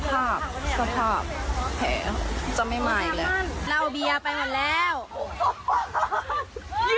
ทางใหม่ให้ด้วย